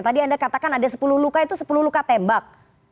tadi anda katakan ada sepuluh luka itu sepuluh luka tembak